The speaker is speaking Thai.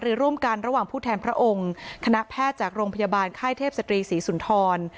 ร่วมกันระหว่างผู้แทนพระองค์คณะแพทย์จากโรงพยาบาลค่ายเทพศตรีศรีสุนทร